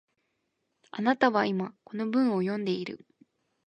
あなたは今、この文を読んでいる